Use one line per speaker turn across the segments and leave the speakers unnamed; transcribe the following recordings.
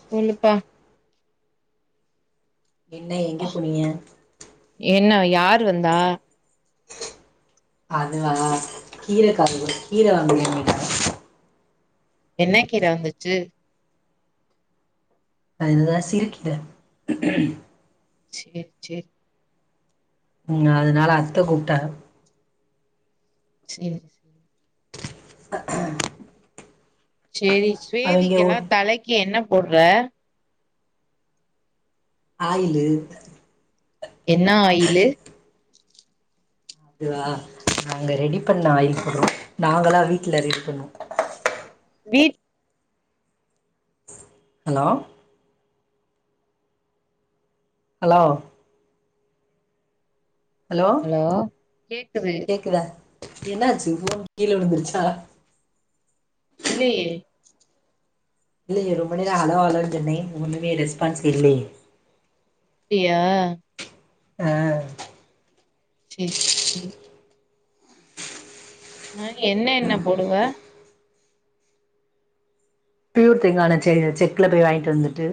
சொல்லுப்பா
என்ன எங்க போனிய
யாரு வந்தா
அதுவா கீர காரு கீர வாங்குவே அவுங்கிட்ட
என்ன கீர வந்துச்சு
அதுதா சிறுக்கீர
சேரி சேரி
ம் அதனால அத்த கூப்டாக
சேரி சேரி
ஹஹ
சேரி ஸ்வேதிக் எல்லா தலைக்கு என்ன போட்ற
ஆயிலு [inaudible]
என்னா ஆயிலு
இதுவா நாங்க ரெடி பண்ண ஆயில் போட்றோ நாங்களா வீட்ல ரெடி பண்ணுவோ
வீட்
ஹலோ ஹலோ ஹலோ
கேக்குது
கேக்குத என்னா ஆச்சு ஃபோன் கீழ விழுந்துருச்சா
இல்லயே
இல்லயே ரொம்ப நேரொ அலோ அலோன் சொன்னே ஒண்ணுமே ரெஸ்பான்ஸ் இல்லயே
ப்டியா
ஆ
சே [inaudible] ஆ என்ன எண்ண போடுவ
ப்யூர் தேங்காண சே செக்ல போய் வாய்ன்ட்டு வந்துட்டு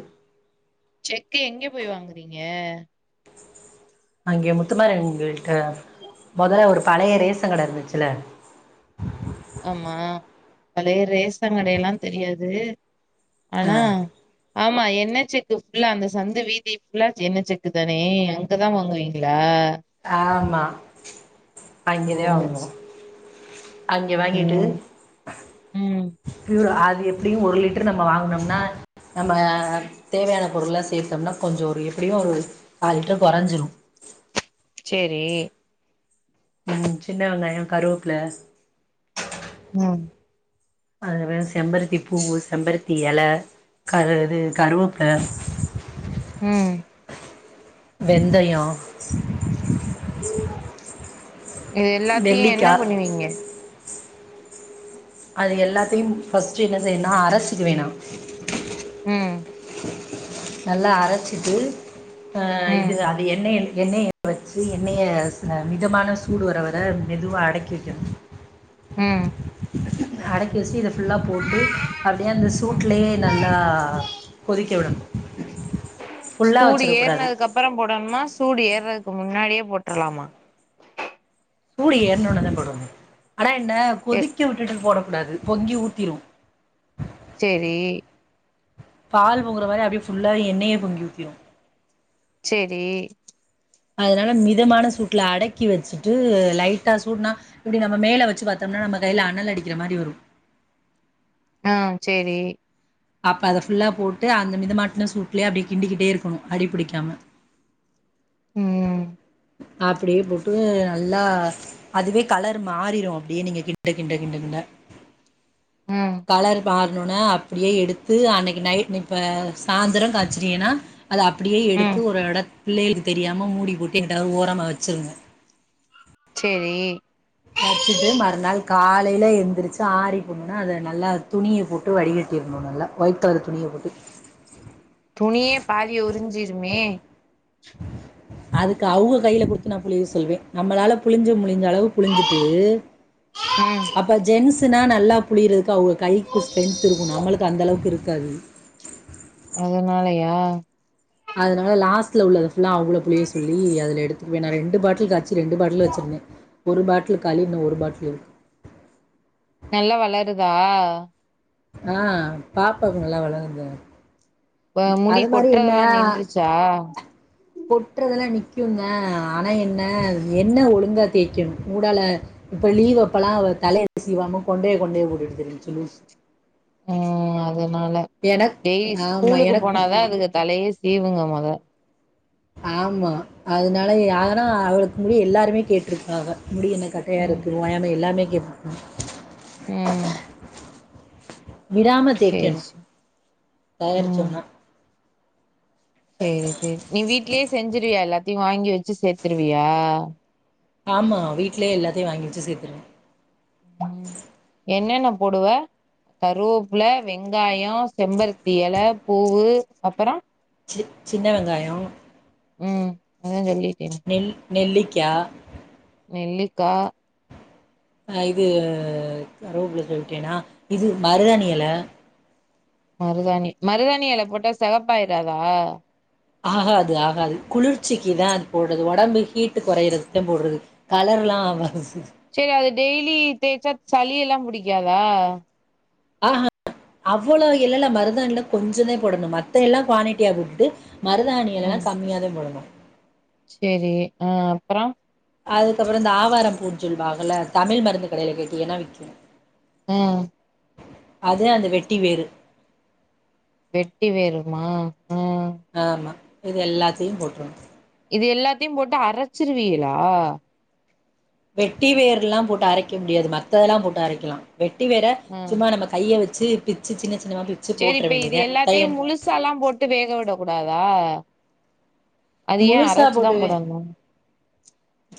செக்க எங்க போய் வாங்குறீங்க
அங்க முத்து மாரியன் கோயில்ட்ட மொதல்ல ஒரு பழைய ரேஸ் ஷங் கட இருந்துச்சுல
ஆமா பழைய ரேசன் கடயெல்லா தெரியாது
ஆ
ஆனா ஆமா எண்ண செக்கு ஃபுல்லா அந்த சந்து வீதி ஃபுல்லா ச எண்ண செக்கு தானே அங்க தா வாங்குவீங்களா
ஆமா அங்கெதா
ஓ
வாங்குவோ அங்கெ வாங்கிட்டு
ம் ம்
ப்யூர் ஆ எப்டியு ஒரு லிட்டர் நம்ம வாங்குனோம்னா நம்ம தேவையான பொருள்லா சேத்தம்னா கொஞ்சொ ஒரு எப்டியு ஒரு காலிட்டர் கொறஞ்சிரு
செரி
ம் சின்ன வெங்காயொ கருவப்புல
ம்
அதுல வேற செம்பருத்தி பூவு செம்பருத்தி எல கரு அது கருவப்புல
ம்
வெந்தயொ
இது எல்லாத்தையு என்ன
நெல்லிக்கா
பண்ணுவீங்க
அது எல்லாத்தையு ஃபஸ்ட்டு என்ன செய்யணுனா அரச்சுக்குவே நா
ம்
நல்லா அரச்சிட்டு ஆ
ம்
இது அது எண்ணெய எண்ணெய வச்சு எண்ணெய ச மிதமான சூடு வர வர மெதுவா அடக்கி வெக்கெணு
ம்
அடக்கி வச்ட்டு இத ஃபுல்லா போட்டு அப்டியே அந்த
ம்
சூட்லயே நல்லா கொதிக்க விடணு
சூடு ஏற்னதுக்கப்பறொ போடணுமா சூடு ஏற்ர க்கு முன்னாடியே போட்ருலாமா
சூடு ஏறுன ஒடன தா போடணு ஆனா என்ன
எ
கொதிக்க விட்டுட்டு போட கூடாது பொங்கி ஊத்திரும்
சேரி
பால் பொங்கற மாரி அப்டி ஃபுல்லா எண்ணெயே பொங்கி ஊத்திரும்
சேரி
அதனால மிதமான சூட்ல அடக்கி வச்சுட்டு லைட்டா சூட்னா இப்டி நம்ம மேல வச்சு பாத்தோம் ன்னா நம்ம கைல அணல் அடிக்கற மாரி வரும்
ஆ சேரி
அப்ப அத ஃபுல்லா போட்டு அந்த மிதமாட்டுன சூட்லயே அப்டி கிண்டிக்கிட்டே இருக்கணும் அடிபிடிக்காம
உம்
அப்டியே போட்டு நல்லா அதுவே கலர் மாறிரும் அப்டியே நீங்க கிண்ட கிண்ட கிண்ட கிண்ட
ம்
கலர் மாரு இன்னொன்னு அப்டியே எடுத்து அன்னைக்கு நைட் இப்ப சாந்திரம் காய்ச்சிரீங்கன்னா அது அப்டியே எடுத் த்து
ம்
ஒரு எடத் பிள்ளைகளுக்கு தெரியாம மூடி போட்டு எங்குட்டாவது ஓரமா வச்சிருங்க
செரி
வச்சுட்டு மறுநாள் காலைல எழுந்திரிச்சு ஆரி போனோன அத நல்லா துணிய போட்டு வடிகட் ட்டிரனும் நல்லா வைட் கலர் துணிய போட்டு
துணியே பாதிய உறிஞ்சிருமே
அதுக் அவ்ங்க கைல குடுத்து நா புளிய சொல்வேன் நம்மால புளிஞ்சு பிளிஞ்ச அளவு புளிஞ்சுட்டு
ம்
அப்ப ஜென்ஸ்னா நல்லா புளியுரு அவ்ங்க கைக்கு ஸ்ட்ரென்த் ருக்கும் நம்மளுக் அந்த அளவுக் ருக்காது
அதனாலயா
அதனால லாஸ்ட்ல உள்ளத புல்லா அவுகள புளிய சொல்லி அதுல எடுத்துக்வேன் நா ரெண்டு பாட்டில் காச் ரெண்டு பாட்டில் வெச்ருந்தேன் ஒரு பாட்டில் காலி இன்னோ ஒரு பாட்டில் இருக்கு
நல்லா வளருதா
ஆ பாப்பாக் நல்லா வளருது
அ முடி
அது மாரி என்ன
கொட்றதெல்லா
அ
நின்றுச்சா
கொட்றதெல்லா நிக் பியுங்க ஆனா என்ன எண்ண ஒலுங்கா தேய்க்கேன் ஹூடால இப்போ லீவ் அப்பலா தலயே சீவாம கொண்டய கொண்டய போட்டு திரிஞ்ச் லூஸு
அ அதனால டெய்லி
ஆமா
ஸ்கூலுக்கு
எனக்கும்.
போனாதான் இதுக தலய சீவுங்க மொத
ஆம்மா அதனால யானா அவளுக் முடி எல்லாருமே கேட்ருக்காக முடி என்ன கட்டயா
ம்
ருக்கு ஓயாம எல்லாமே கேப்
ம்
விடாம
சேரி
தேய்கெணு
சேரி
தயாரிச்சோம்னா
செரி செரி நீ வீட்லே செஞ்சிருவியா எல்லாத்யு வாங்கி வச்சி சேத்ருவியா
ஆமா வீட்லே எல்லாத்யு வாங்கி வச்சி சேத்ருவ
ம் என்னென்ன போடுவ கருவோப்ல வெங்காயும் செம்பருத்தி எல பூவு அப்பரோ
சி சின்ன வெங்காயு
ம் அதான் சொல்லி
நெல் நெல்லிக்கா
நெல்லிக்கா
ஆ இது கருவோப்ல சொல்ட்டேன்னா இது மருதாணி எல
மருதாணி மருதாணி எல போட்டா செகப்பாய்றாதா
ஹகாது ஆகாது குளிர்ச்சிக்கி தான் அது போட்றது ஒடம்பு ஹீட்டு கொறையருதுக் தான் போடுறது கல பில்லாம் ஆவாது
செரி அது டெய்லி தேய்ச்சா சளி எல்லாம் புடிக்காதா
ஆ ஹ அவ்ளோ எலல மருதாண்ல கொஞ்ஜோத போடணோ மத்த எல்லா கோண்டிட்டியா போட்டுட்டு மருதாணி எலலா கம்மியா தான் போடணோ
செரி அ அப்ரோம்
அதுக்கப்ரோ இந்த ஆவாரம் பூ சொல்வாங்கல தமிழ் மருந்து கடயில கேட்டீங்ன்னா விக்கும்
ஹ
அது அந்த வெட்டி வேரு
வெட்டி வேருமா ஆ
ஆமா இது எல்லாத்யும் போட்டுர்னோ
இது எல்லாத்யும் போட்டு அரச்சிருவீகலா
வெட்டி வேர் லாம் போட்டு அரைக்க முடியாது மத்ததெல்லாம் போட்டு அரைக்கலா வெட்டி வேர
ஆ
சும்மா நம்ம கைய வெச்சி பிச்சி சின்ன சின்
சரி இப்ப இது எல்லாத்யு முழுசா லாம் போட்டு வேக விடக் கூடாதா அது ஏ
முழுசா
அரச்சுதா
போட்டு
போடணு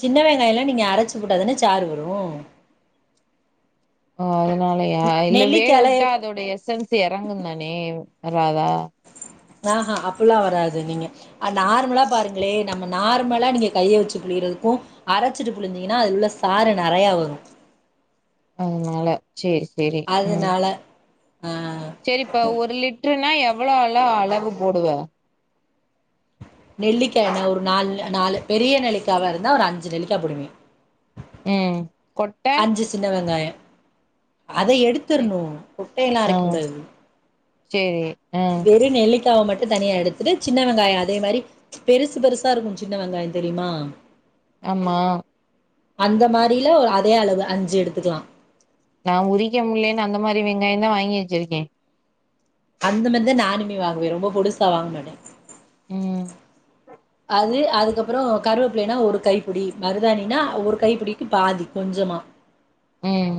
சின்ன வெங்காயலாம் நீங்க அர ச்சு போட்டா தானே சாரு வரும்
ஓ அதனாலயா இல்ல வேக
நெல்லிக்கால
விட்டா அதோட எஸஎன்ஸ் எறங்கு தானே ஏராதா
ஆ ஹ அப்பில்லா வராது நீங்க நார்மலா பாருங் லே நம்ம நார்மலா நீங்க கைய வெச்சி பிளிறதுக்கும் அரச்சிட்டு புழிஞ்சிங்கன்னா அது உள்ள சாரு நெறைய வரும்
அதனால சரி சரி உம்
அதனால ஆ
சரிப்பா ஒரு லிடிட்ருனா எவ்வளோ அளோ அளவு போடுவ
நெல்லிக்காய் என்ன ஒரு நாலு நாலு பெரிய நெல்லிக்காய் இருந்தா ஒரு அஞ்சு நெல்லிக்காய் போடுவே
ம் கொட்ட
அதை
நெ
எடுத்திரணும் கொட்டையெல்லாம் அரைக்க கூடாது
செரி
வெறும் நெல்லிக் காவ மட்டும் தனியா எடுத்துட்டு சின்ன வெங்காயம் அதே மாதிரி பெருசு பெருசா இருக்கும் சின்ன வெங்காயம் தெரியுமா
ஆமா
அந்த மாதிரில ஒ அதே அளவு அஞ்சு எடுத்துக்கலாம்
நான் உரிக்க முலேன்னு அந்த மாதிரி வெங்காயந்தேன் வாங்கி வச்சிருக்கேன்
அந்த மாதி தான் நானுமே வாங்குவேன் ரொம்ப போடுச வாங்க மாட்டேன்
ம்
அது அதுக்கப்புறோம் கருவேப்பிள்ளைன்னா ஒரு கைப்படி மருதாணினா ஒரு கைப்படிக்கு பாதி கொஞ்சம் ஆமா
உம்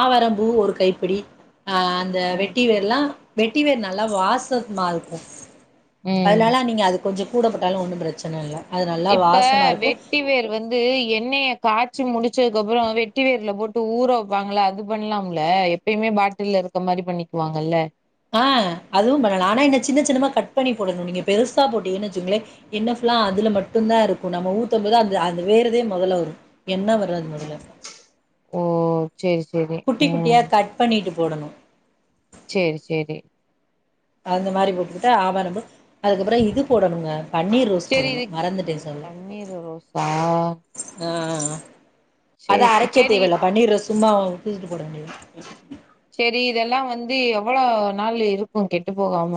ஆவரம்பூ ஒரு கைப்பிடி ஆஹ் அந்த
ம்
வெட்டி வேர்ல்லா வெட்டி வேர் நல்லா வாசமா இருக்கும்
ம்
அதனால நீங்க அதுக் கொஞ்சம் கூட போட்டாலும் ஒன்றும் பிரச்சனை இல்ல அது நல்லா
இப்ப
வாசமா இருக்கு
வெட்டி வேர் வந்து எண்ணனெய காச் சி முடிச்சதுக்கப்புறம் வெட்டி வேர்ல போட்டு ஊற வைப்பாங்கள அது பண்ணலாம்ல எப்பயுமே பாட்டில்ல இருக்க மாரி பண்ணிக்குவாங்கல்ல
ஆஹ் அதுவும் பண்ணலாம் ஆனா என் சின்ன சின்னமா கட் பண்ணி போடணும் நீங்க பெருசா போட்டீங்கனு வச்சுங்களே என்ன அதுல மட்டும்தான் இருக்கும் நம்ம ஊத்தும் போது அந்த அந்த வேறு முதல்ல வரும் எண்ண வராது முதல்ல
ஓ சேரி சேரி
குட்டி குட்டியா கட் பண்ணிட்டு போடணும்
செரி செரி
அந்த மாரி போட்டுக்கட்டு ஆவாரம்பூ அதுக்கப்புறம் இது போடணும் பன்னீர் ரோஸ்
சேரி
போடணும்
இது
மறந்துட்டே சொல்ல
பன்னீர் ரோஸா
ஆஹ்
சேரி
அதான் அரைக்க
சேரி
தேவல்ல பன்னீர் ரோஸ் சும்மா கில்லிட்டு போட வேண்டிதா
சரி இதெல்லாம் வந்து எவ்ளோ நாள் இருக்கும் கெட்டு போகாம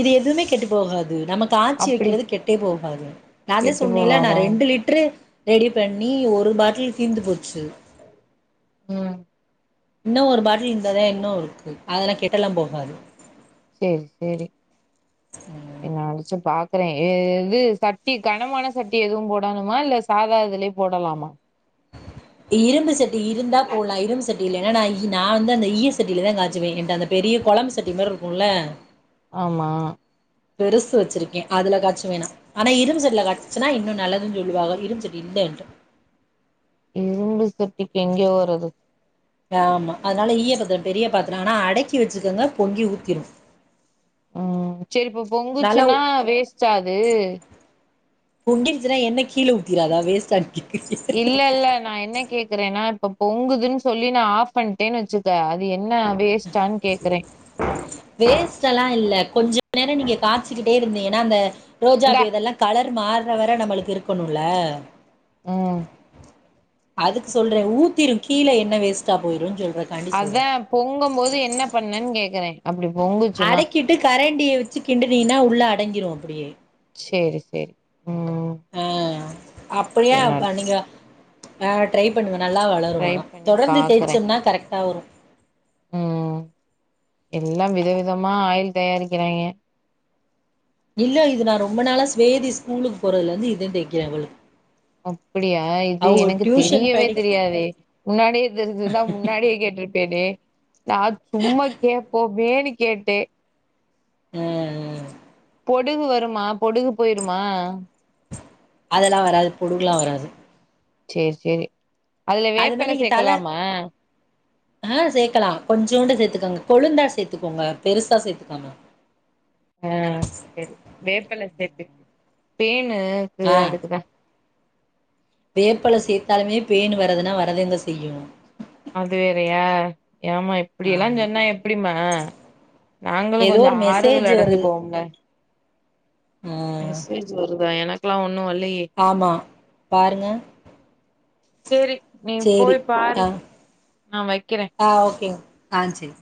இது எதுவுமே கெட்டு போகாது நமக்கு காச்சி
அப்டி
வைக்கிறது கெட்டே போகாது நான்தான்
கெட்டு
சொன்னேல
போகாதா
நான் ரெண்டு லிட்டரு ரெடி பண்ணி ஒரு பாட்டில் தீர்ந்து போச்சு
உம்
இன்னும் ஒரு பாட்டில் இருந்தாதே இன்னும் இருக்கு அதெல்லாம் கேட்ட எல்லாம் போகாது
சரி சரி இங்க அரச்சு பாக் கறேன் இது சட்டி கனமான சட்டி எதுவும் போடணுமா இல்ல சாதா இதுலயே போடலாமா
இரும்பு சட்டி இருந்தா போலாம் இரும்பு சட்டி இல்லனா நான் வந்து அந்த ஈய சட்டியிலதான் காச்சுவேன் ஏன்ட பெரிய கொழம்பு சட்டி மாதிரி இருக்கும்ல
ஆமா
பெருசு வச்சிருக்கே அதுல காட்சுவே நா ஆனா இரும் சட்டில காச்சுன்னா இன்னு நல்லதுன் சொல் வாக இரும்சட்டி இல்ல என்ட்ட
ம் இரும்பு சட்டிக்கு எங்கெவோறது
ஆமா அதுனால ஈய பாத்திர பெரிய பாத்திர ஆனா அடக்கி வச்சுக்கங்க பொங்கி ஊத்திரு
ம் செரிப்ப
நல்லா
பொங்குச்சுன்னா வேஸ்டா அது
பொங்கிடுச்சுன்னா எண்ணெ கீழ ஊத்திராதா வேஸ்ட்டா நிக்கி
இல்ல இல்ல நா என்ன கேக்குறேன்னா இப்ப பொங்குதுன் சொல்லி நா ஆஃப் பண்ட்டேன்னு வச்சுக்க அது என்ன வேஸ்ட்டான் கேக்குறே
வேஸ்ட்டெல்லா இல்ல கொஞ்ச நேர நீங்க காச்சிக்கிட்டே இருந்தீங்கனா அந்த
இந்தா
ரோஜாபி இதெல்லா கலர் மாறுறவர நம்மளுக்கு இருக்கணுல
ம்
அதுக்கு சொல்றே ஊத்திரு கீழ எண்ணெ வேஸ்ட்டா போயிருன் சொல்
அதா பொங்கம்போது என்ன பண்ணன் கேக்குறே அப்டி பொங்குச்சுனா
ண்டிய வச்சு கிண்டுனீனா உள்ள அடங்கிரு அப்டியே
சேரி சேரி ம்
அ அப்புடியா
சரி நா
அப்ப நீங்க ஆ ட்ரை பண்ணுவே நல்லா வளரு
ட்ரை
ஆனா
பண்ணி
தொடர்ந்து
பாக்குறே
தேய்ச்சம்னா கரெக்டா வரு
ம் எல்லாம் விதவிதமா ஆயில் தயாரிக்கிறாங்கெ
இல்ல இது நா ரொம்ப நாளா ஸ்வேதி ஸ்கூலுக்கு போறதுல இருந்து இதே தேக்கிறே அவளுக்கு
அப்பிடியா இது
அவ
எனக்கு
டியூஷன்
தெரியவே
படி
தெரியாதே முன்னாடியே தெரிஞ்சிருந்த முன்னாடியே கேட்டிருப் பேனே நா சும்மா கேட்போமேன்னு கேட்டே
ம் ம்
பொடுகு வருமா பொடுகு போயிருமா
அதெல்லா வராது பொடுகுலா வராது
சேர் சேரி அதுல
அது மாரி
வேப்பில
நீங்க தல
சேக்கலாமா
ஆ சேக்கலா கொஞ்சோண்டு சேத்துக்கங்க கொழுந்தா சேத்துக்கோங்க பெருசா சேத்துக்காம
ஆ செரி வேப்பல சேத்துக் தேன் க்கு
ஆ
அதுக்குதா
வேப்பல சேத்தாலுமே பேனு வரதுனா வரதாங்க செய்யு
அது வேறையா ஏமா இப்டியெல்லா
ஆமா
சொன்னா எப்டிம்மா நாங்களு
ஏதோ
கொஞ்ச
ஒரு
ஆறுதல்
மெசேஜ் வருது
அடஞ்சுக்கோம்ல
ஆ
மெசேஜ் வருதா எனக்குலா ஒன்னு வல்
ஆமா பாருங்க
சரி நீ
சேரி
போய் பாரு
அ
நான் வைக்கிறேன்
ஆ ஓகேங் ஆ சேரி